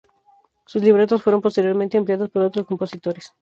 Sus libretos fueron posteriormente empleados por otros compositores.